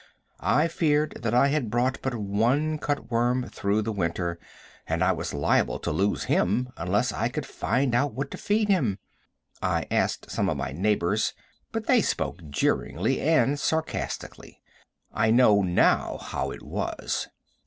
I feared that I had brought but one cut worm through the winter, and I was liable to lose him unless I could find out what to feed him. I asked some of my neighbors, but they spoke jeeringly and sarcastically. I know now how it was.